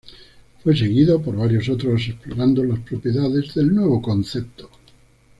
Fue seguido por varios otros, explorando las propiedades del nuevo concepto.